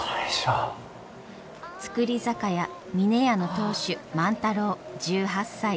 造り酒屋峰屋の当主万太郎１８歳。